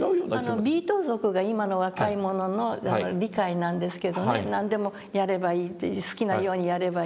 あのビート族が今の若い者の理解なんですけどね何でもやればいいって好きなようにやればいいっていう。